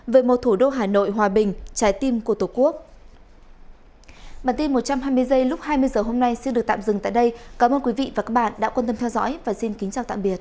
về một thủ đô hà nội hòa bình trái tim của tổ quốc